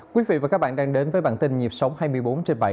quý vị và các bạn đang đến với bản tin nhịp sống hai mươi bốn trên bảy